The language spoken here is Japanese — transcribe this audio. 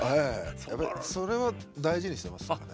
それは大事にしてますかね。